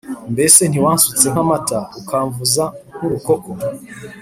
mbese ntiwansutse nk’amata, ukamvuza nk’urukoko’